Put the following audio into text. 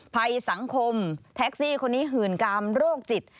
ภัยสังคมแท็กซี่คนนี้หื่นกามโรคจิต